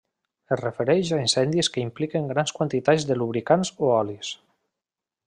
Es refereix als incendis que impliquen grans quantitats de lubricants o olis.